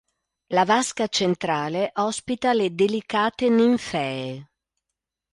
La vasca centrale ospita le delicate ninfee.